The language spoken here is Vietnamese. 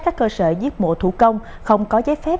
các cơ sở giết mổ thủ công không có giấy phép